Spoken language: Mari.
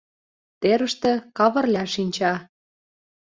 Терыште Кавырля шинча.